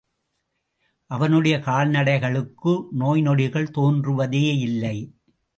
அவனுடைய கால்நடைகளுக்கு நோய்நொடிகள் தோன்றுவதேயில்லை.